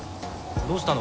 どうしたの？